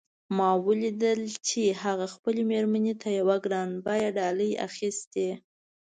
ما ولیدل چې هغه خپلې میرمن ته یوه ګران بیه ډالۍ اخیستې